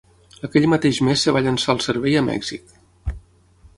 Aquell mateix mes es va llançar el servei a Mèxic.